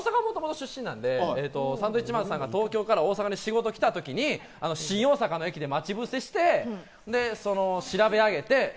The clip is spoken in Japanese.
もともと出身なんでサンドウィッチマンさんが東京から大阪に仕事来たときに新大阪の駅で待ち伏せして調べ上げて。